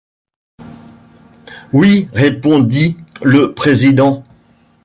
Oui, répondit le président.